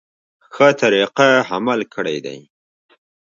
ښه طریقه عمل کړی دی.